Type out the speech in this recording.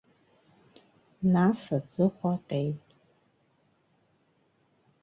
Нас аҵыхәа аҟьеит.